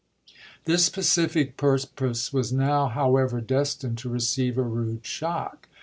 This pacific purpose was now, however, destined to receive a rude shock.